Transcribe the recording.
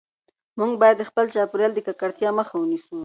موږ باید د خپل چاپیریال د ککړتیا مخه ونیسو.